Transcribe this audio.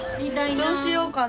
どうしようかな？